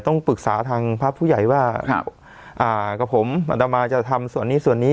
ต้องปรึกษาทางพระผู้ใหญ่ว่ากับผมอัตมาจะทำส่วนนี้ส่วนนี้